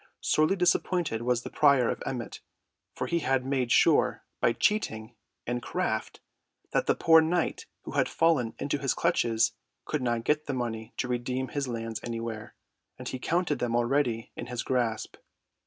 Sorely disappointed was the prior of Emmet for he had made sure by cheating and craft that the poor knight who had fallen into his clutches could not get the money to redeem his lands anywhere, and he counted them already in his grasp.